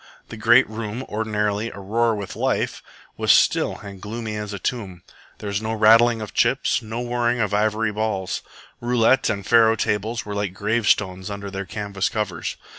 The great room, ordinarily aroar with life, was still and gloomy as a tomb. There was no rattling of chips, no whirring of ivory balls. Roulette and faro tables were like gravestones under their canvas covers.